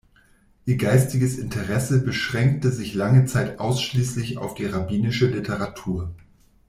Ihr geistiges Interesse beschränkte sich lange Zeit ausschließlich auf die rabbinische Literatur.